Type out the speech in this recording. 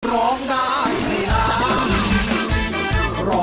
ร้องได้ให้ล้าน